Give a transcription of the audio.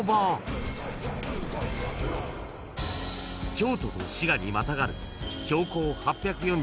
［京都と滋賀にまたがる］